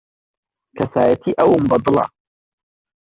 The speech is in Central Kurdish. کەسایەتیی ئەوم بەدڵە.